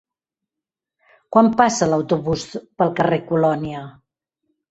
Quan passa l'autobús pel carrer Colònia?